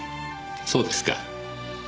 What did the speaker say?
そうですか。